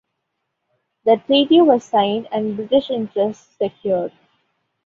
The treaty was signed and British interests secured.